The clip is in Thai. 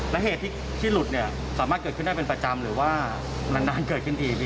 และเหตุที่หลุดเนี่ยสามารถเกิดขึ้นได้เป็นประจำหรือว่านานเกิดขึ้นอีก